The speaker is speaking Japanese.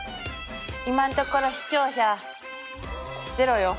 今んところ視聴者０よ。